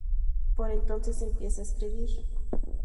Por entonces empieza a escribir.